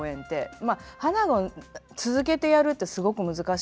まあ「花子」続けてやるってすごく難しい。